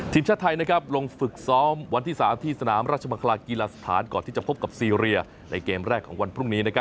ทีมชาติไทยลงฝึกซ้อมวันที่๓ที่สนามราชมังคลากีฬาสถานก่อนที่จะพบกับซีเรียในเกมแรกของวันพรุ่งนี้